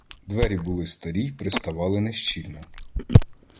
Двері були старі й приставали нещільно.